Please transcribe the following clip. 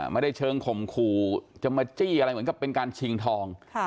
เชิงข่มขู่จะมาจี้อะไรเหมือนกับเป็นการชิงทอง